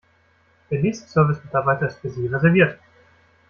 Der nächste Service-Mitarbeiter ist für Sie reserviert.